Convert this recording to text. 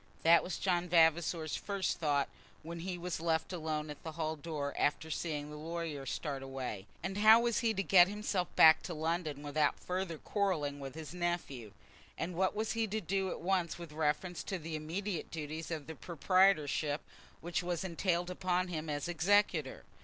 That was John Vavasor's first thought when he was left alone at the hall door, after seeing the lawyer start away. And how was he to get himself back to London without further quarrelling with his nephew? And what was he to do at once with reference to the immediate duties of proprietorship which were entailed upon him as executor?